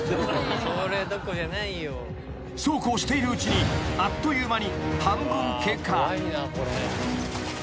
［そうこうしているうちにあっという間に半分経過］